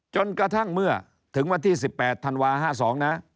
จนกระทั่งเมื่อถึงวันที่๑๘ธันวา๕๒นะ